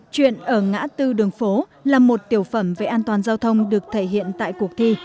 chuyện ở ngã tư đường phố là một tiểu phẩm về an toàn giao thông được thể hiện tại cuộc thi